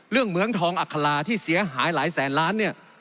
เรื่องเมืองทองอัคลาที่เสียหายหลายแสนล้าน